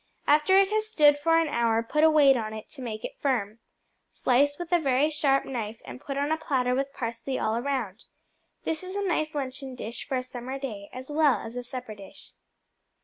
After it has stood for an hour, put a weight on it, to make it firm. Slice with a very sharp knife, and put on a platter with parsley all around. This is a nice luncheon dish for a summer day, as well as a supper dish.